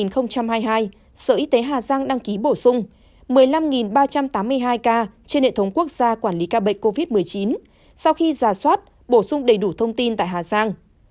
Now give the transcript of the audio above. năm hai nghìn hai mươi hai sở y tế hà giang đăng ký bổ sung một mươi năm ba trăm tám mươi hai ca trên hệ thống quốc gia quản lý ca bệnh covid một mươi chín sau khi giả soát bổ sung đầy đủ thông tin tại hà giang